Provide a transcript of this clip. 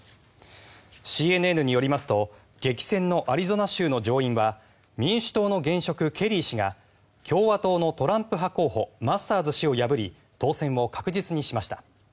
ＣＮＮによりますと激戦のアリゾナ州の上院は民主党の現職、ケリー氏が共和党のトランプ派候補マスターズ氏を破り当選を確実にしました。